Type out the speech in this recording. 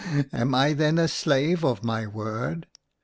Am I then a slave of my word?